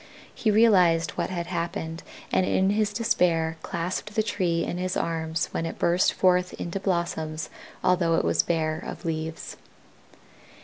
He realized what had happened and in his despair clasped the tree in his arms when it burst forth into blossoms although it was bare of leaves.